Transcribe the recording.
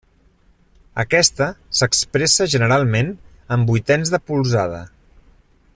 Aquesta s'expressa generalment en vuitens de polzada.